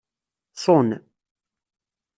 Ṣun.